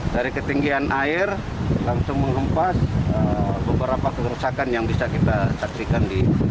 dari ketinggian air langsung mengempas beberapa kerusakan yang bisa kita saksikan di